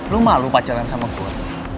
lo malu pacaran sama gue